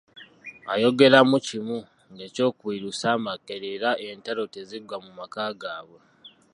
Ayogeramu kimu ng'ekyokubiri lusambaggere era entalo teziggwa mu maka gaabwe.